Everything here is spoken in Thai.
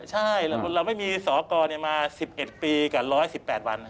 ใช่เราไม่มีสอกรมา๑๑ปีกับ๑๑๘วัน